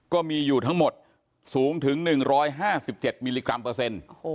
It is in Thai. ก็มีอยู่ทั้งหมดสูงถึง๑๕๗มิลลิกรัมเปอร์เซ็นต์